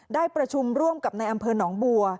ได้ประชุมร่วมกับในอำเภอหนองบัว